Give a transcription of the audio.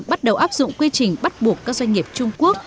bắt đầu áp dụng quy trình bắt buộc các doanh nghiệp trung quốc